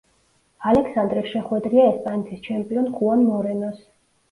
ალექსანდრე შეხვედრია ესპანეთის ჩემპიონ ხუან მორენოს.